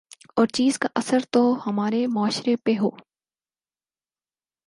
اور چیز کا اثر تو ہمارے معاشرے پہ ہو